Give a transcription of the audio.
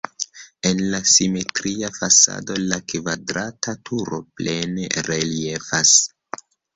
En la simetria fasado la kvadrata turo plene reliefas.